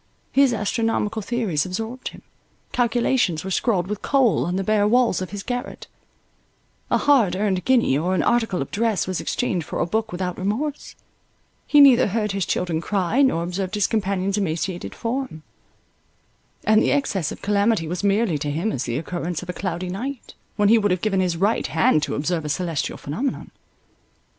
His astronomical theories absorbed him; calculations were scrawled with coal on the bare walls of his garret: a hard earned guinea, or an article of dress, was exchanged for a book without remorse; he neither heard his children cry, nor observed his companion's emaciated form, and the excess of calamity was merely to him as the occurrence of a cloudy night, when he would have given his right hand to observe a celestial phenomenon.